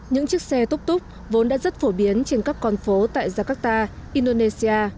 những chiếc xe túc túc vốn đã rất phổ biến trên các con phố tại jakarta indonesia